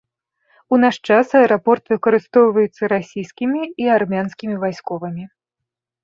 У наш час аэрапорт выкарыстоўваецца расійскімі і армянскімі вайсковымі.